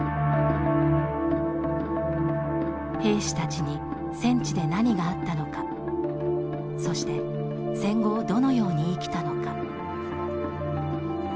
兵士たちに戦地で何があったのかそして戦後をどのように生きたのか。